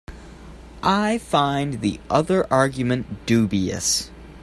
I find the other argument dubious.